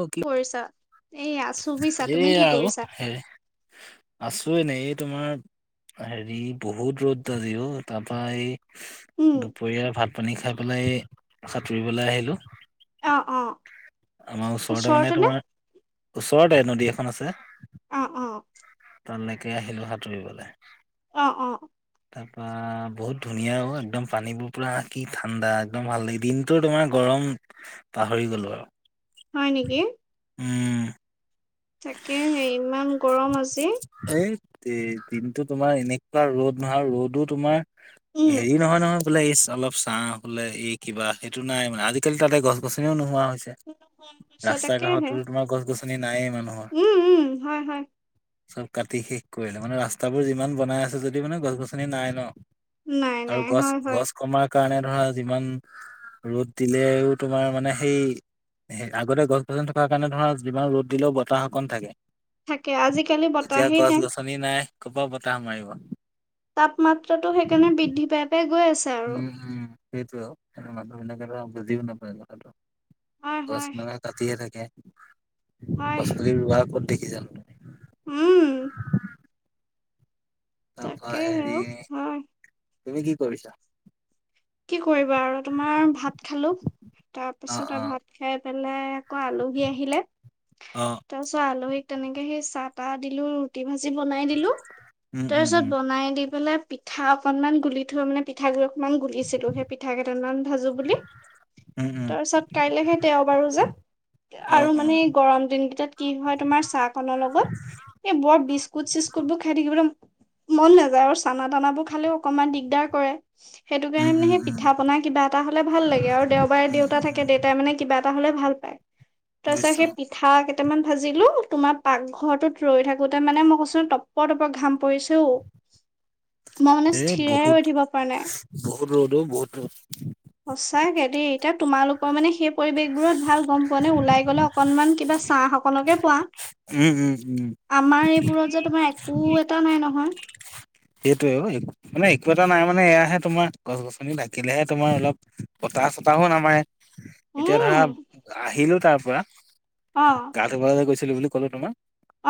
Okay. কৰিছা, এয়া আছো বুইছা। তুমি এইয়া কি আৰু কৰিছা? হেৰি আছো এনেই। এই তোমাৰ হেৰি বহুত ৰ'দ আজি অ', তাৰপৰা উম দুপৰীয়া ভাত পানী খাই পেলাই এ' সাঁতুৰিবলৈ আহিলো। অ অ আমাৰ ওচৰতে মানে তোমাৰ ওচৰতে নদী এখন আছে অ', অ' তালৈকে আহিলো সাঁতুৰিবলৈ। অ', অ'। তাত। বা বহুত ধুনীয়া অ', একদম পানীবোৰ পুৰা কি ঠাণ্ডা একদম ভাল লাগে, দিনটো তোমাৰ গৰম পাহৰি গ'লোঁ আৰু। হয় নেকি? উম। তাকে হে ইমান গৰম আজি। হেট তেৰি দিনটো তোমাৰ এনেকুৱা ৰ'দ নহয় ৰ'দো তোমাৰ উম হেৰি নহয় নহয়। বোলে এই অলপ চা বোলে এই কিবা সেইটো নাই মানে আজিকালি তাতে গছ গছনিও নোহোৱা হৈছে। আচ্ছা ৰাস্তা তাকেহে কাষতো তোমাৰ গছ গছনি নাইেই মানুহৰ। উম উম হয় হয়। চব কাটি শেষ কৰিলে মানে ৰাস্তাবোৰ যিমান বনাই আছে যদি মানে গছ গছনি নাই ন। নাই আৰু নাই গছ হয় হয় গছ কমাৰ কাৰণে ধৰা যিমান ৰ'দ দিলেও তোমাৰ মানে সেই সেই আগতে গছ গছনি থকাৰ কাৰণে ধৰা যিমান ৰ'দ দিলেও বতাহ অকন থাকে। থাকে আজিকালি এতিয়া বতাহেই নাই। [unintelligible] নাই কৰ পৰা বতাহ মাৰিব। তাপমাত্ৰাটো সেইকাৰণে বৃদ্ধি পাই পাই গৈ আছে। আৰু উম, উম, সেইটোৱে আৰু মানহ বিলকেটো বুজিও নাপায় কথাটো। হয় গছ হয় মানুহে কাটি হে থাকে হয় গছ পুলি ৰুৱা কত দেখিছানো। উম। তপা তাকেহে হেৰি অ হয় তুমি কি কৰিছা? কি কৰিবা আৰু তোমাৰ ভাত খালো। তাৰ অ পিছত অ আৰু ভাত খাই পেলাই আকৌ আলহী আহিলে। অ তাৰপিছত আলহীক তেনেকে সেই চাহ তাহ দিলো। ৰুটি ভাজি বনাই দিলো উম তাৰ উম পিছত উম বনাই দি পেলাই পিঠা অকনমান গুলি থৈ মানে পিঠাগ গুৰি অকমান গুলিছিলো সেই পিঠা কেইটান ভাজো বুলি। উম উম তাৰপিছত কাইলেহে দেওবাৰো যে অ আৰু অ মানে গৰম দিন কেইটাত কি হয় তোমাৰ চাহ কনৰ লগত এই বৰ বিস্কুট চিস্কুট বোৰ খাই থাকিবলৈ মন নাযায় আৰু চানা দানাবোৰ খালেও অকমান দিগদাৰ কৰে সেই সেইটো উম কাৰণে মানে উম সেই উম পিঠা পনা কিবা এটা হ'লে ভাল লাগে আৰু দেওবাৰে উম দেউতা উম থাকে উম দেউ টাই মানে কিবা এটা হলে ভাল পায় তাৰিছত বুজিছো সেই পিঠা কেইটামান ভাজিলো তোমাৰ পাকঘৰটোত ৰৈ থাকোতে মানে মই কৈছোঁ টপৰ টপৰ ঘাম পৰিছে অ'। এই বহুত থাকিব পৰা নাই বহুত ৰ'দ অ', বহুত ৰ'দ। সঁচাকে দেই। এতিয়া তোমালোকৰ মানে সেই পৰিৱেশবোৰত ভাল গম পোৱা নে ওলাই গ'লে অকনমান কিবা চা অকনকে পোৱা। উম উম উম আমাৰ এইবোৰত যে তোমাৰ একো এটা নাই নহয়। সেইটোৱে অ', মানে একো এটা নাই মানে এয়াহে তোমাৰ গছ-গছনি থাকিলেহে তোমাৰ অলপ বতাহ-চতাহো নামাৰে। এতিয়া ধৰা উম আহিলো তাৰ পৰা অ গা [unintelligible] গৈছিলো বুলি কলো তোমাক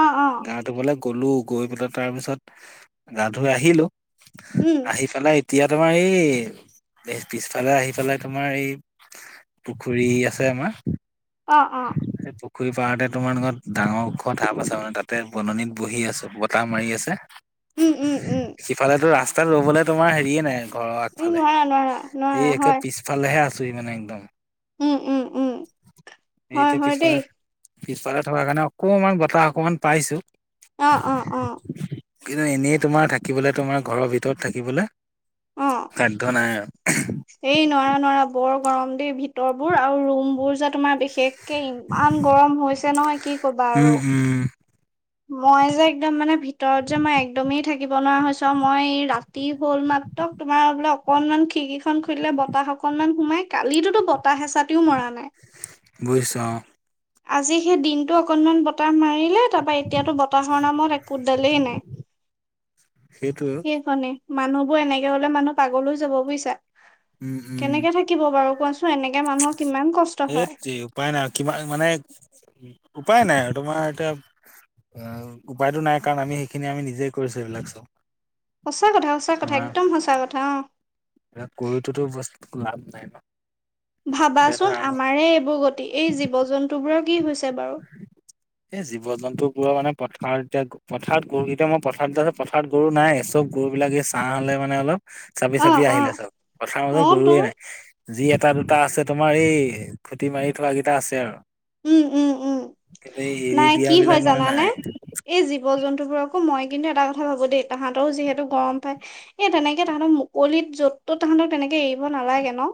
অ অ গা ধুবলে গ'লো গৈ পেলাই তাৰপিছত গা ধুই আহিলো উম আহি পেলাই এতিয়া তোমাৰ এই পিছফালে আহি পেলাই তোমাৰ এই পুখুৰী আছে আমাৰ। অ', অ'। সেই পুখুৰী পাৰতে তোমাৰ লগত ডাঙৰ ওখ ঢাপ আছে মানে তাতে বননিত বহি আছো বতাহ মাৰি আছে। উম উম উম সিফালেতো ৰাস্তাত ৰবলে তোমাৰ হেৰিয়ে নাই ঘৰৰ এই নোৱাৰা নোৱাৰা নোৱাৰা হয়। ইফালে হে আছোহি মানে একদম। উম, উম, উম। এই হয় [unintelligible] হয় দেই পিছফালে পিছফালে থকাৰ কাৰণে অকমান বতাহ অকমান পাইছো। অ অ অ কিন্তু এনেই তোমাৰ থাকিবলে তোমাৰ ঘৰৰ ভিতৰত থাকিবলৈ অ সাধ্য নাই আৰু। এই নোৱাৰা, নোৱাৰা। বৰ গৰম দে ভিতৰবোৰ আৰু ৰুমবোৰ যে তোমাৰ বিখ খেক কে ইমান গৰম হৈছে নহয়, কি কবা উম আৰু। উম মই যে একদম মানে ভিতৰত যে মই একদমেই থাকিব নোৱাৰা হৈছো আৰু মই ৰাতি হ'ল মা ত', তোমাৰ বোলে অকনমান খিৰিকীখন খুলিলে বতাহ অকনমান সোমাই, কালিতোটো বতাহ এচাতিও মৰা নাই। বুইছোঁ আউ। আজি সেই দিনতটো অকনমান বতাহ মাৰিলে, তাৰপা এতিয়াতো ব তাহৰ নামত একো দালেই নাই। সেইটোৱে সেই হৈনি, মানুহবোৰ এনেকে হ'লে মানুহ পাগলৈ যাব বুইছা। উম উম কেনেকে থাকিব বাৰু কোৱাচোন। এনেকে মানুহৰ কিমান কষ্ট হয়। সেই উপায় নাই আৰু কিমান মানে, উপায় নাই আৰু তোমাৰ এতিয়া অ। উপায়তো নাই, কাৰণ আমি সেইখিনি আমি নিজেই কৰিছো এইবিলাক চব। সঁচা কথা, সঁচা কথা। একদম সঁচা কথা। অ'। এয়া কৰিতোতো বস্তু লাভ নাই ন'। এতিয়া ধৰা ভাবাচোন, আমি আমাৰে এইবোৰ গতি। এই জীৱ-জন্তুবোৰৰ কি হৈছে বাৰু। এ, জীৱ-জন্তু বোৰৰ মানে পথাৰত এতিয়া পথাৰত গৰুকেইটা, মই পথাৰত পথাৰত গৰু নাই। চব গৰু বিলাক ছাঁ লৈ মানে অলপ চাপি অ চাপি অ আহিলে চব। পথাৰৰ অ মাজত তো গৰুৱে নাই। যি এটা দুটা আছে তোমাৰ, এই খুটি মাৰি থোৱা কেইটা আছে আৰু। উম। উম। উম। কিন্তু এই এৰি নাই, দিয়া কি হয় বিলাক মানে জানানে। নাই এই জীৱ জন্তুবোৰকো মই কিন্তু এটা কথা ভাবো দেই, তাহাঁতৰো যিহেতু গৰম পায় এ, তেনেকে তাহাঁতক মুকলিত য'ত ত'ত তাহাঁতক তেনেকে এৰিব নালাগে ন'।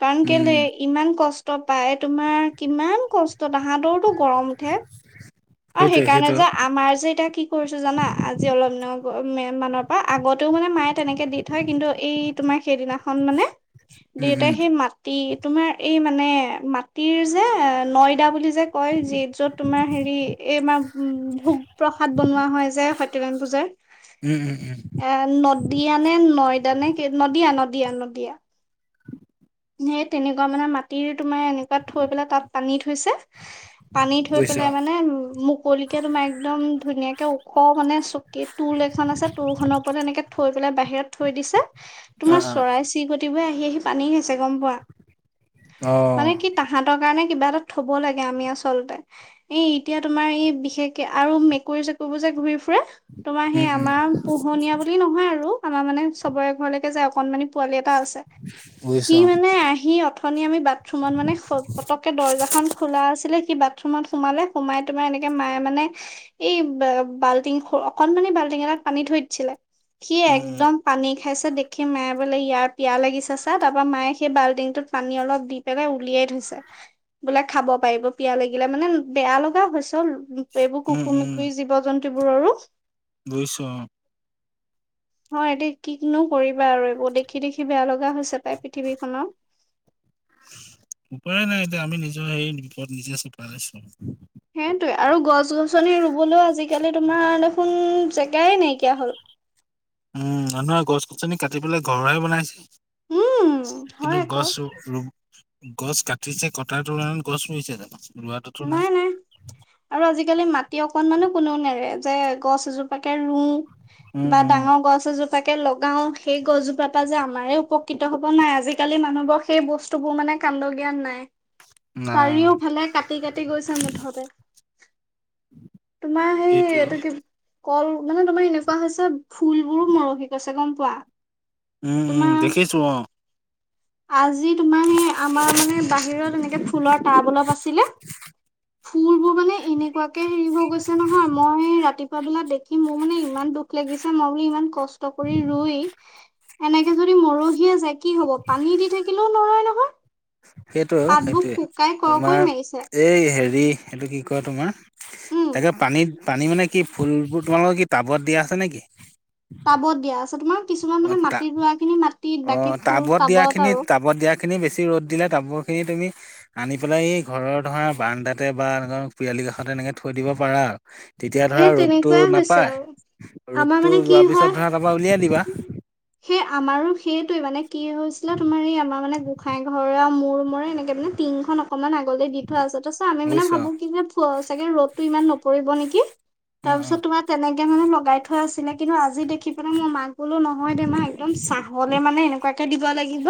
কাৰণ কেলে, উম ইমান কষ্ট পায়। তোমাৰ কিমান কষ্ট, তাহাঁতৰটো গৰম উঠে। আৰু সেইটোৱে সেইকাৰণে সেইটো যে আমাৰ যে এতিয়া কি কৰিছো জানা, আজি অলপ দিনৰ [unintelligible] মানত আগতেও মানে মায়ে তেনেকে দি থয়, কিন্তু এই তোমাৰ সেইদিনাখন মানে উম দেউতাই উম সেই মাত তি তোমাৰ এই মানে, মাটিৰ যে নয়দা বুলি যে কয়। যি- য'ত তোমাৰ হেৰি, এইমাৰ ভোগ-প্ৰসাদ বনোৱা হয় যে সত্যনাৰায়ণ পূজাৰ। উম, উম, উম। এ, নদিয়া নে নয়দা নে কি। নদিয়া, নদীয়া, নদীয়া। সেই তেনেকুৱা মানে মাটিৰ তোমাৰ এনেকুৱাত থৈ পেলাই, তাত পানী থৈছে। পানী থৈ বুজিছো পেলাই মানে, মুকলিকে তোমাৰ একদম ধুনীয়াকে ওখ মানে চ কি টোল এখন আছে। টোলখনৰ ওপৰত এনেকে থৈ পেলাই বাহিৰত থৈ দিছে। অ তোমাৰ অ চৰাই চিকটিবোৰে আহি আহি পানী খাইছে, গম পোৱা। অ মানে কি তাহাঁতৰ কাৰণে কিবা এটা থ'ব লাগে, আমি আচলতে। এই এতিয়া তোমাৰ এই বিশেষকে, আৰু মেকুৰী চেকুৰীবোৰ যে ঘূৰি ফুৰে। তোমাৰ উম সেই উম আমাৰ পোহনীয়া বুলি নহয় আৰু। আমাৰ মানে চবৰে ঘৰলৈকে যায়, অকনমানি পোৱালি এটা আছে। সি বুজিছো মানে আহি, অথনি আমি বাথৰুমত মানে পতককে দৰ্জাখন খোলা আছিলে কি বাথৰুমত সোমালে। সোমাই তোমাৰ এনেকে মায়ে মানে এই বাল্টিং, অকনমানে বাল্টিং এটাক পানী থৈ দিছিলে। সি উম, উম, একদম পানী খাইছে, দেখি মায়ে বোলে ইয়াৰ পিয়া লাগিছে চা। তাৰ পৰা, মায়ে সেই বাল্টিংটোত পানী অলপ দি পেলাই উলিয়াই থৈছে। বোলে খাব পাৰিব। পিয়া লাগিলে মানে বেয়া লগা হৈ হৈছেও। এইবোৰ উম, কুকুৰ-মেকুৰী জীৱ-জন্তু বোৰৰো বুইছো আও। হয়, এতিয়া কিনো কৰিবা আৰু, এইবোৰ দেখি দেখি বেয়া লগা হৈ তাই পৃথিৱীখনত উপায়ে নাই এতিয়া। আমি নিজৰ সেই বিপদ নিজে ছপাই লৈছোঁ। সেইটোৱে। আৰু গছ-গছনি ৰুবলৈও আজিকালি তোমাৰ দেখোন জেগাই নাইকিয়া হ'ল। উম, মানুহে গছ গছনি কাটি পেলাই ঘৰ দুৱাইে বনাইছে। উম কিন্তু হয় আকৌ গছ ৰুব গছ কাটিছে কটাৰ তুলনাত গছ ৰুইছে জানো? নাই নাই আৰু আজিকালি মাটি অকনমানো কোননেও নেৰে যে গছ এজোপ তাকে ৰু উম, বা উম, ডাঙৰ গছ এ জোপা তাকে লগাওঁ সেই গছজোপ পৰা যে আমাৰ উপকৃত হ'ব নাই। আজিকালি মানুহবোৰৰ সেই বস্তুৃ বোৰ মানে কান্দ জ্ঞান নাই। নাই। চাৰিওফালে কাটি কাটি গৈছে মুঠতে। তোমাৰ সেই সেইটোৱে এইটো অ', কি কল মানে তোমাৰ এনেকুৱা হৈছে ফুলবোৰো মৰহি গৈছে গম পোৱা। উম, উম তোমাৰ দেখিছো অ'। আজি তোমাৰ সেই আমাৰ মানে বাহিৰত এনেকে ফুলৰ টাব অলপ আছিলে। ফুলবোৰ মানে এনেকুৱাকে হেৰি হৈ গৈছে নহয় মই ৰাতিপুৱা বেলা দে কি মোৰ মানে ইমান দুখ লাগিছে মই বো ইমান কষ্ট কৰি ৰুই। এনেকে যদি মৰহিয় যায় কি হ'ব পানী দি থাকিলেও নৰয় নহয়। সেইটো পাতবোৰ সেইটোয়ে শুকাই কৰকৈ তোমাৰ মাৰিছে এই হেৰি এইটো কি কয় তোমাৰ উম তাকে পানীত পানী মানে কি ফুলবোৰ তোমালোকৰ কি টাবত দিয়া আছে নেকি? টাবত দিয়া আছে তোমাৰ কিছুমান অ', মানে টা মাটিত ৰোৱাখিনি মাটিত বাকী ফুল টাবত আৰু। খিনি বেছি ৰ'দ দিলে তাবৰখিনি তুমি আনি পেলাই এই ঘৰৰ ধৰা বান্দাতে বা এনেকৰ পৰালি কাষতে এনেকৈ থৈ দিব পাৰা আৰু। তেতিয়া এই ধৰা ৰ'দটো তেনেকুৱাই হৈছে নাপায় আৰু আমাৰ ৰ'দটো মানে কি যোৱাৰ হয় পিছত ধৰা তাৰপৰা উলিয়াই দিবা। সেই আমাৰো সেইটোয়ে মানে কি হৈছিলে তোমাৰ এই আমাৰ মানে গোঁসাই ঘৰৰ মোৰ ৰুমৰে এনেকে মানে টিংখন অকনমান আগতে দি থোৱা আছে ত আমি মানে বুজিছ ভাবো কি যে চাগে ৰ'দতটো ইমান নপৰিব নেকি। উম, তাৰপিছত উম, তোমাৰ তেনেকে মানে লগাই থোৱা আছিলে। কিন্তু আজি দে ৰাখি পেলাই মই মাক বোলো নহয় দে মা একদম ছাঁলে মানে এনেকুৱাকে দিব লাগিব।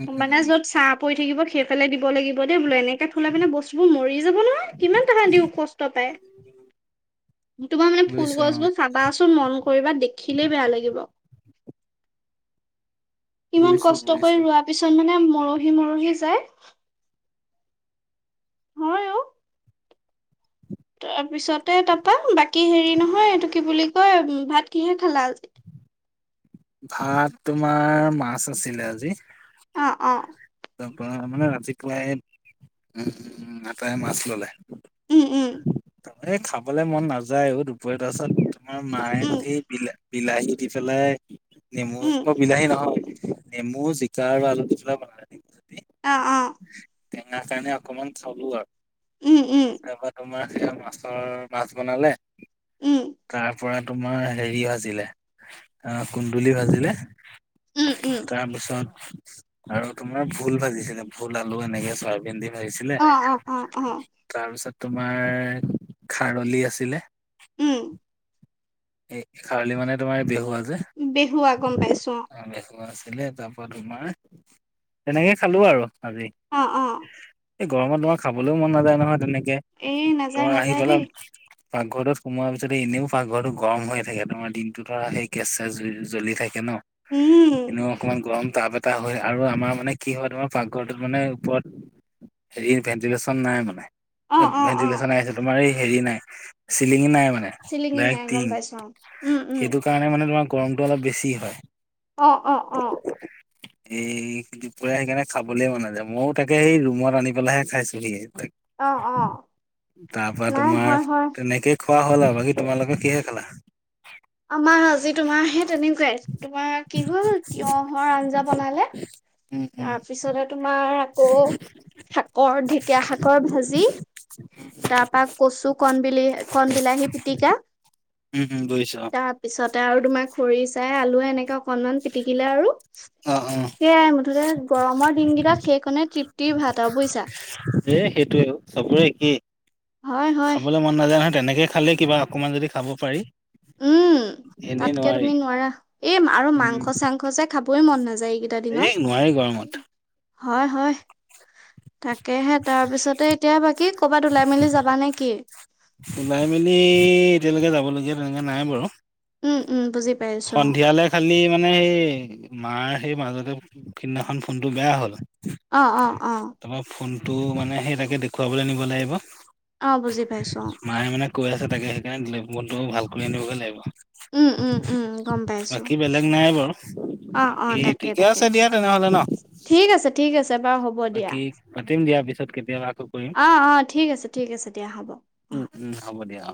উম, উম, মানে উম, য'ত ছাঁ পৰি থাকিব সেইফালে দিব লাগিব দেই বোলো এনেকে থ'লে পিনে বস্তুবোৰ মৰি যাব নহয়। কিমান তাহাতিও দিওঁ কষ্ট পাই। তোমাৰ মানে বুজিছোঁ অ', ফুলগছবোৰ চাবাচোন মন কৰিবা দেখিলেই বেয়া লাগিব। ইমান বুজিছোঁ কষ্ট কৰি বুজিছোঁ। ৰোৱা পিছত মানে মৰহি মৰহি যায়। হয় অও। তাৰপিছতে তাৰাপা বাকী হেৰি নহয় এইটো কি বুলি কয় ভাত কিহে খালা আজি? ভাত তোমাৰ মাছ আছিলে আজি। অ', অ'। তাৰ পৰা মানে ৰাতিপুৱাই উম' আপায়ে মাছ ল'লে। উম, উম। এ খাবলৈ মন নাযায় অ' দুপৰীয়া তাৰ পাছত তোমাৰ মায়ে দি দিলে। বিলাহী দি পেলাই নেমু উম উম মই বিলাহী নহয় নেমু জিকা আৰু আলু দি পেলাই বনালে। অ', অ'। টেঙা কাৰণে অকমান চলো উম উম আৰু তাৰপা তোমাৰ সেইয়া মাছৰ মাছ বনালে উম তাৰ পৰা তোমাৰ হেৰি ভাজিলে অ' কুন্দুলি ভাজিলে। উম, উম। তাৰপিছত আৰু তোমাৰ ভোল ভাজিছিলে ভোল আলু এনেকে চয়াবিন দি ভাজিছিলে অ অ অ অ তাৰপিছত তোমাৰ খাৰলি আছিলে। উম এ খাৰলি মানে তোমাৰ বেহুুৱা যে। বেহুৱা গম পাইছো অ'। বেহুৱা আছিলে তাৰ পৰা তোমাৰ তেনেকে খালো আৰু আজি। অ', অ, এই গৰমত তোমাৰ খাবলৈও মন নাযায় নহয় তেনেকে এই নাযায় তোমাৰ আহি নাযায় দেই পেলাই। পাকঘৰৰটোত সোমোৱাৰ পিছতে এনেও পাকঘৰটো গৰম হৈয়ে থাকে তোমাৰ দিনটো ধৰা সেই গেছ চেছ জ্বলি থাকে ন। উম, এনেও অকমান গৰম তাপ এটা হয় আৰু আমাৰ মানে কি হয় তোমাৰ পাকঘৰটোত মানে ওপৰত। হেৰি ভেণ্টিলেশ্যন নাই মানে। অ, ভেণ্টিলেচন হে আহিছে তোমাৰ এই হেৰি নাই চিলিঙি নাই মানে। চিলিঙি নাই? ডাইৰেক্ট গম টিং পাইছো উম উম সেইটো কাৰণে মানে তোমাৰ গৰমটো অলপ বেছি হয়। অ', অ, অ, এই দুপৰীয়া সেইকাৰণে খাবলে মনা যায় ময়ো তাকে সেই ৰুমত আনি পেলাইাহে খাইছোহি অ অ তাক তাৰ পৰা নাই তোমাৰ হয় হয় তেনেকে খোৱা হ'ল আৰু বাকী তোমালোকে কিহে খালা? আমাৰ আজি তোমাৰাহে তেনেকুৱাই তোমাৰ কি হল তিয়হৰ আঞ্জা বনালে। উম উম তাৰ পিছতে তোমাৰ আকৌ শাকৰ ঢেকীয়া শাকৰ ভাজি। উম, তাৰ পৰা কচু কণবলি কন বিলাহী পিটিকা। উম, উম, বুজিছোঁ অ, পিছতে আৰু তোমাৰ খৰিচাই আলুৱে এনেকে অকনমান পিটিকিলে আৰু অ অ অ সেইয়াই গৰমৰ দিনকেইটাত সেইখনে তৃপ্তিৰ ভাত আৰু বুজিছা। এ, সেইটোয়ে অ' চবৰে একে হয় হয় খাবলে মন নাজান নহয় তেনেকে খালে কিবা অকণমান যদি খাব পাৰি। উম, এনেই তাতকে নোৱাৰি তুমি নোৱাৰা এই আৰু উম মাংস চাংস যে খাবই মন নাযায় এইকেইটা এই নোৱাৰি গৰমত দিনত হয় হয়। তাকেহে তাৰ পিছতে এতিয়া বাকী ক'বাত ওলাই মেলি যাবা নে কি? ওলাই মেলি এতিয়ালৈকে যাব লগগীয়া তেনেকা নাই বাৰু। উম, উম, বুজি পাইছো অ', সন্ধিয়ালৈ খালি মানে সেই মাৰ সেই মাজতে সিদিনাখন ফোনটো বেয়া হ'ল। অ, অ, অ, তোমাৰ ফোনটো মানে সেই তাকে দেখুৱাবলৈ নিব লাগিব। অ, বুজি পাইছো অ, মায়ে মানে কৈ আছে তাকে সেইকাৰণে ফোনটো ভাল কৰি আনিবগে লাগিব। উম, উম, উম, গম পাইছো বাকী বেলেগ নাই বাৰু অ, অ, বাকী তাকে ঠিকে তাকে। আছে দিয়া তেনেহ'লে ন ঠিক আছে ঠিক আছে বাৰু হ'ব। দিয়া বাকী পাতিম দিয়াৰ পিছত কেতিয়াবা আকৌ। কৰিম অ, অ, ঠিক আছে ঠিক আছে দিয়া হ'ব। উম, উম, হ'ব দিয়া অ,